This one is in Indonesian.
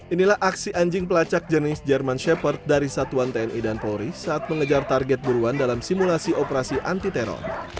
inilah aksi anjing pelacak jenis german shepherd dari satuan tni dan polri saat mengejar target buruan dalam simulasi operasi anti teror